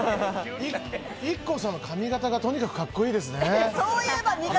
ＩＫＫＯさんの髪型が、とにかく格好いいですね。